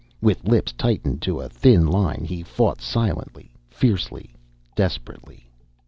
With lips tightened to a thin line, he fought silently, fiercely, desperately.